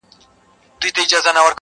عطر دي د ښار پر ونو خپور کړمه؛